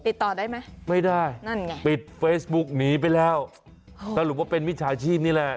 ติดต่อได้ไหมไม่ได้นั่นไงปิดเฟซบุ๊กหนีไปแล้วสรุปว่าเป็นมิจฉาชีพนี่แหละ